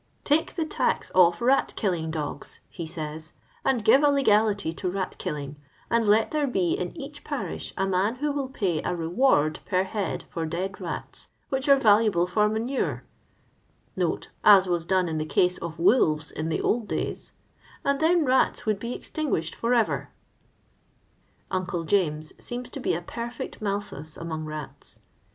" Take the tax off rat killing dogs " he says, and give a legality to rat k^ling, and let there bo in each parish a man who will pay a reward per head for dead rats, which are valuable fur manure (as was done in the case of wolves in the old days), and then rats would be extin guished for ever I " Uncle James seems to be a I>erlcct Malthus among rats.